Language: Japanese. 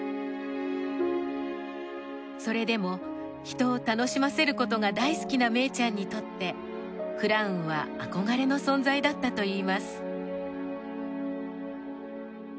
それでも人を楽しませることが大好きなめいちゃんにとってクラウンは憧れの存在だったといいます。